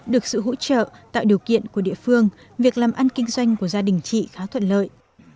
được sự hỗ trợ tạo điều kiện của địa phương việc làm ăn kinh doanh của gia đình chị khá thuận lợi